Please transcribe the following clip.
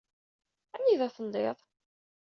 Anida telliḍ?